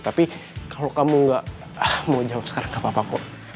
tapi kalau kamu gak mau jawab sekarang apa apa kok